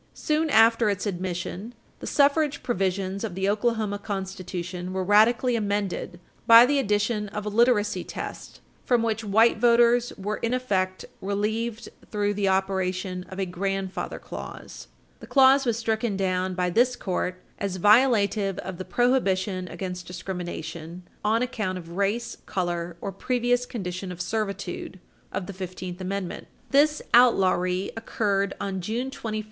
Soon after its admission, the suffrage provisions of the Oklahoma Constitution were radically amended by the addition of a literacy test from which white voters were in effect relieved through the operation of a "grandfather clause." The clause was stricken down by this Court as violative of the prohibition against discrimination "on account of race, color or previous condition of servitude" of the Fifteenth Amendment. This outlawry occurred on June 21, 1915.